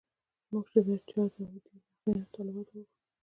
موږ چې د چا داودي نغمې او تلاوت واورو.